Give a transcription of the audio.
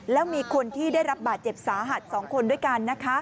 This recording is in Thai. แล้วมีคนที่ได้รับบาดเจ็บสาหัส๒คนด้วยกันนะคะ